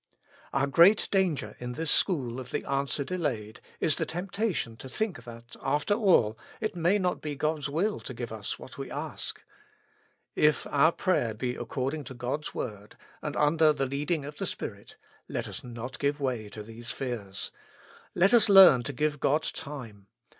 Our great danger in this school of the answer de layed, is the temptation to think that, after all, it may not be God's will to give us what we ask. If our prayer be according to God's word, and under the leading of the Spirit, let us not give way to these fears. Let us learn to give God time.